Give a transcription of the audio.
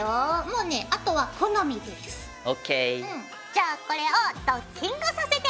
じゃあこれをドッキングさせていきます。